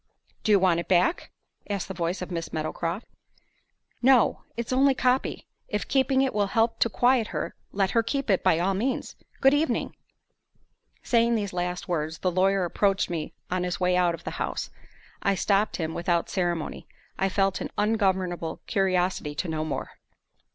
"Do you want it back?" asked the voice of Miss Meadowcroft. "No; it's only a copy. If keeping it will help to quiet her, let her keep it by all means. Good evening." Saying these last words, the lawyer approached me on his way out of the house. I stopped him without ceremony; I felt an ungovernable curiosity to know more.